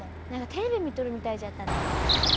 何かテレビ見とるみたいじゃったね。